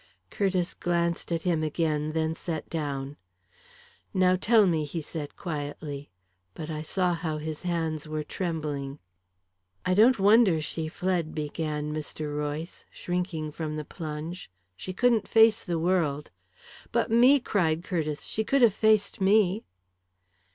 Curtiss glanced at him again, then sat down. "Now tell me," he said quietly, but I saw how his hands were trembling. "I don't wonder she fled," began Mr. Royce, shrinking from the plunge. "She couldn't face the world " "But me," cried Curtiss; "she could have faced me!"